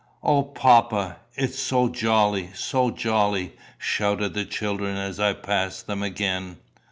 "O, papa, it's so jolly so jolly!" shouted the children as I passed them again.